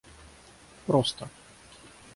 просто